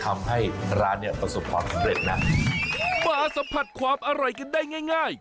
มาสัมผัสความอร่อยกันได้ง่าย